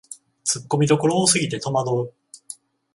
ツッコミどころ多すぎてとまどう